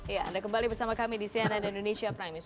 ya anda kembali bersama kami di cnn indonesia prime news